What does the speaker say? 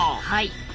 はい。